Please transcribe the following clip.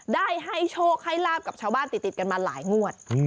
ได้ให้โชคให้ลาบกับชาวบ้านติดกันมาหลายงวด